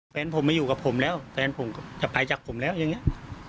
แฟนผมมาอยู่กับผมแล้วแฟนผมก็จะไปจากผมแล้วอย่างนี้